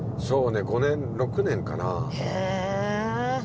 そうね５年６年かなぁ。